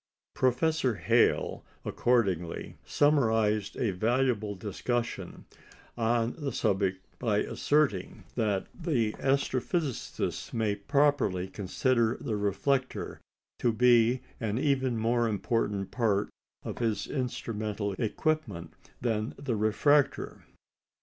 Professor Hale, accordingly, summarised a valuable discussion on the subject by asserting "that the astrophysicist may properly consider the reflector to be an even more important part of his instrumental equipment than the refractor."